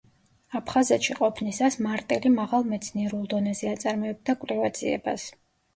აფხაზეთში ყოფნისას მარტელი მაღალ მეცნიერულ დონეზე აწარმოებდა კვლევა-ძიებას.